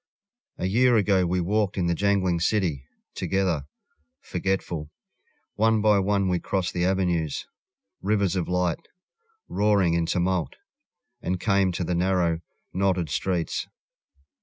... A year ago we walked in the jangling city Together .... forgetful. One by one we crossed the avenues, Rivers of light, roaring in tumult, And came to the narrow, knotted streets.